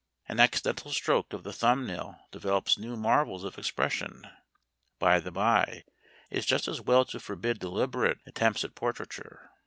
An accidental stroke of the thumbnail develops new marvels of expression. (By the bye, it's just as well to forbid deliberate attempts at portraiture.)